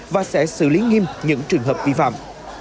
và sẽ xử lý nghiêm những trường hợp vi phạm